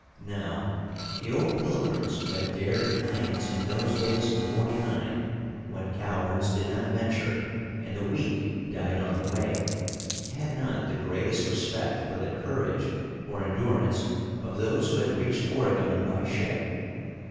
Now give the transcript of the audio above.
Now, the old pilgrims who had dared the plains in those days of '49, when cowards did not venture and the weak died on the way, had not the greatest respect for the courage or endurance of those who had reached Oregon by ship.